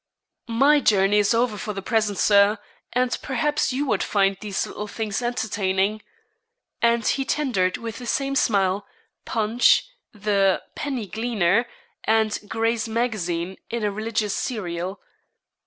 'My journey is over for the present, Sir, and perhaps you would find these little things entertaining.' And he tendered with the same smile 'Punch,' the 'Penny Gleaner,' and 'Gray's Magazine,' a religious serial.